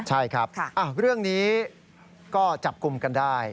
ใช่ครับเรื่องนี้ก็จับกลุ่มกันได้